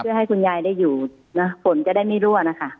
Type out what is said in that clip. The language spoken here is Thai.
เพื่อให้คุณยายได้อยู่นะฝนจะได้ไม่รั่วนะคะ